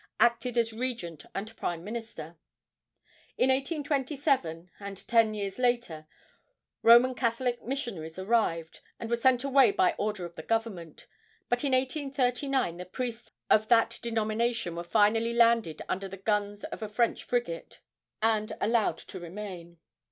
acted as regent and prime minister. In 1827, and ten years later, Roman Catholic missionaries arrived, and were sent away by order of the government; but in 1839 the priests of that denomination were finally landed under the guns of a French frigate and allowed to remain.